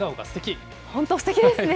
本当、すてきですね。